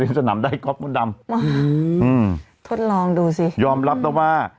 อืมมมมยอมรับแล้วว่า